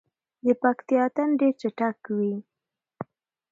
د پکتیا اتن ډیر چټک وي.